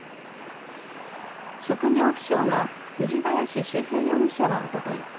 職業不詳の藤林脩平容疑者はおととい